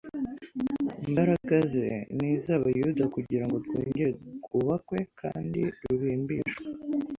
imbaraga ze n'iz'abayuda kugira ngo rwongere rwubakwe kandi rurimbishwe,